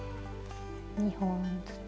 ２本ずつ。